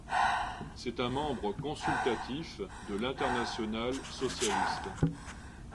C'est un membre consultatif de l'Internationale socialiste.